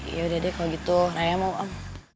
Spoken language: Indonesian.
ya udah deh kalau gitu raya mau om